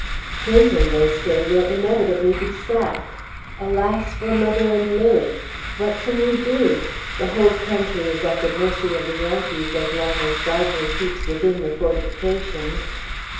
Clinton, they say, will inevitably be sacked. Alas, for mother and Lilly! What can we do? The whole country is at the mercy of the Yankees as long as Gardiner keeps within the fortifications.